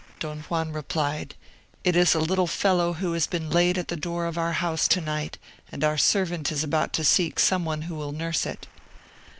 Don Juan replied, "It is a little fellow who has been laid at the door of our house to night, and our servant is about to seek some one who will nurse it."